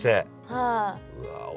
はい。